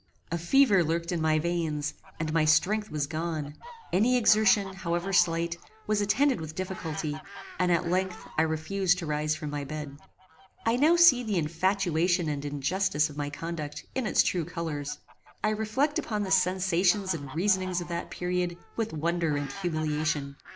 A fever lurked in my veins, and my strength was gone. Any exertion, however slight, was attended with difficulty, and, at length, I refused to rise from my bed. I now see the infatuation and injustice of my conduct in its true colours. I reflect upon the sensations and reasonings of that period with wonder and humiliation.